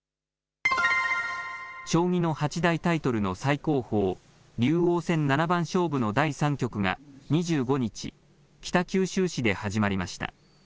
将棋の八大タイトルの最高峰、竜王戦七番勝負の第３局が２５日、北九州市で始まりました。